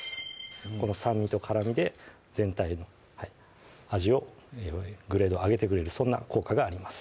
この酸味と辛みで全体の味をグレードを上げてくれるそんな効果があります